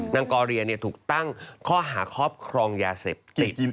กอเรียถูกตั้งข้อหาครอบครองยาเสพติด